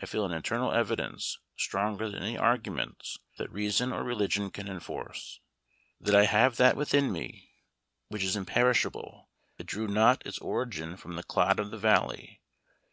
I feel an internal evidence, stronger than any arguments that reason or religion can enforce, that I have that within me which is imperishable; that drew not its origin from the 'clod of the valley.'